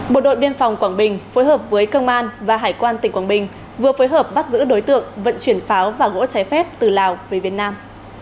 bộ đội biên phòng quảng bình phối hợp với công an và hải quan tỉnh quảng bình vừa phối hợp bắt giữ đối tượng vận chuyển pháo và gỗ trái phép từ lào về việt nam